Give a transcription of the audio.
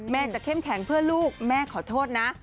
แม่จะเข้มแข็งเพื่อลูกแม่ขอโทษนะ